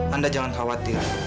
anda jangan khawatir